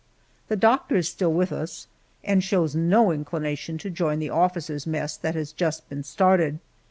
The doctor is still with us, and shows no inclination to join the officers' mess that has just been started.